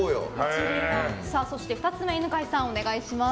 そして２つ目犬飼さん、お願いします。